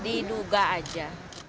tidak ada diduga aja